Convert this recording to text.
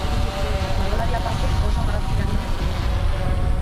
Margolari aparte oso marrazkilari ona izan zen.